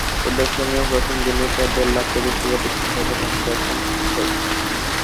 প্রদর্শনীর প্রথম দিনেই প্রায় দেড় লাখ প্রযুক্তিপ্রতিষ্ঠান তাদের পণ্য প্রদর্শন করেছে।